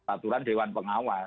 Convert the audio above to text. aturan dewan pengawas